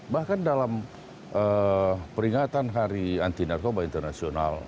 bahkan dalam peringatan hari anti narkoba internasional